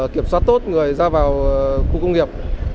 kiểm soát tốt người ra vào khu công nghiệp